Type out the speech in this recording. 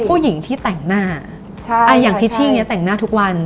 ผู้หญิงที่แต่งหน้าอย่างพิชชี่เนี้ยแต่งหน้าทุกวัน